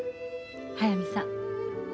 速水さん。